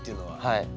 はい。